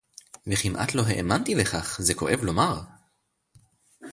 וכמעט לא האמנתי לכך: זה כואב לומר